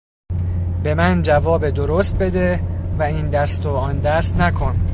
به من جواب درست بده و این دست و آن دست نکن.